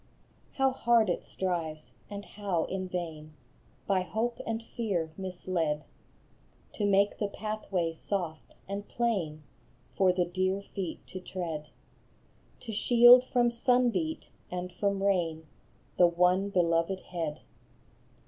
How hard it strives, and how in vain, By hope and fear misled, To make the pathway soft and plain For the dear feet to tread, 7<7 shield from sun beat and from rain The one beloved head!